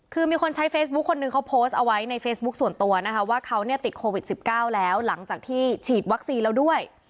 คือมีคนใช้เฟซบุ๊คคนนึงเขาโพสต์เอาไว้ในเฟซบุ๊คส่วนตัวนะคะว่าเขาเนี่ยติดโควิด๑๙แล้วหลังจากที่ฉีดวัคซีนแล้วด้วย